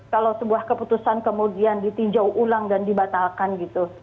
kalau sebuah keputusan kemudian ditinjau ulang dan dibatalkan gitu